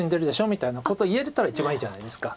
みたいなことを言えたら一番いいじゃないですか。